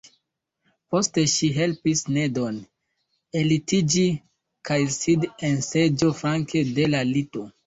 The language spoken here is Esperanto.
Poste ŝi helpis Nedon ellitiĝi kaj sidi en seĝo flanke de la lito.